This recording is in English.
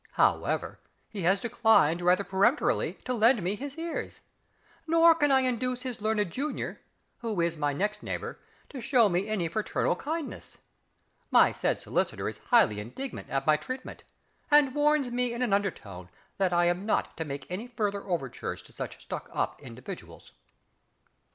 However, he has declined rather peremptorily to lend me his ears, nor can I induce his learned junior, who is my next neighbour, to show me any fraternal kindness. My said solicitor is highly indignant at my treatment, and warns me in an undertone that I am not to make any further overtures to such stuck up individuals. 10.